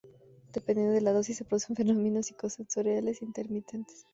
Dependiendo de la dosis, se producen fenómenos psico-sensoriales intermitentes.